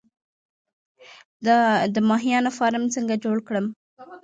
د ماهیانو فارم څنګه جوړ کړم؟